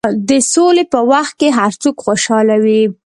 د سولې په وخت کې هر څوک خوشحاله وي.